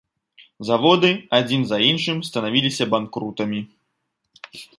Заводы адзін за іншым станавіліся банкрутамі.